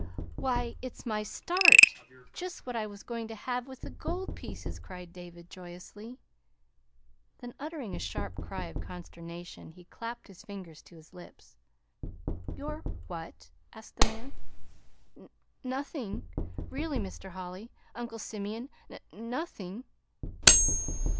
"Why, it's my 'start' just what I was going to have with the gold pieces," cried David joyously. Then, uttering a sharp cry of consternation, he clapped his fingers to his lips. "Your what?" asked the man. "N nothing, really, Mr. Holly, Uncle Simeon, n nothing."